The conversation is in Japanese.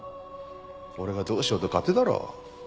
俺がどうしようと勝手だろ。